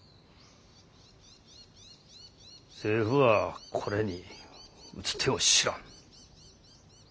政府はこれに打つ手を知らん。